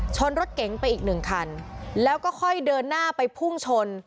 ชนรถเก๋งไปอีกหนึ่งคันแล้วก็ค่อยเดินหน้าไปพุ่งชน